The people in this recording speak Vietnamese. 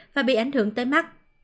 và bị ảnh hưởng tới mắt